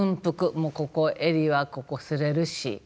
もうここ襟はここ擦れるし。